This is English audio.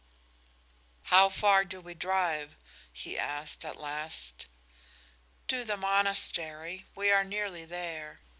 "How far do we drive?" he asked, at last. "To the monastery. We are nearly there."